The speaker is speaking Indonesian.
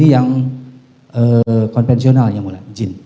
ini yang konvensional yang mulia izin